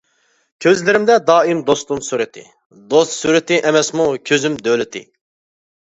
كۆزلىرىمدە دائىم دوستۇم سۈرىتى، دوست سۈرىتى ئەمەسمۇ كۆزۈم دۆلىتى.